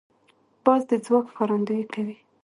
باز د ځواک ښکارندویي کوي